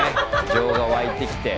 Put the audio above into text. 情が湧いてきて。